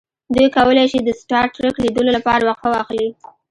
دوی کولی شي د سټار ټریک لیدلو لپاره وقفه واخلي